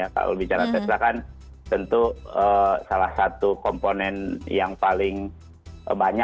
kalau bicara tesla kan tentu salah satu komponen yang paling banyak